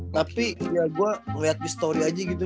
tapi ya gue liat di story aja gitu